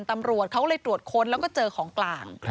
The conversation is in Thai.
ตำรวจเขาเลยตรวจค้นแล้วก็เจอของกลาง